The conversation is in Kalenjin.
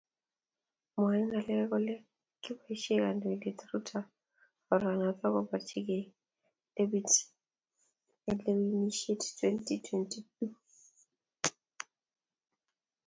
Mwoe ngalek kole kiboishee Kandoindet Ruto oranoto kopirchikei debeit enlewenishet twenty two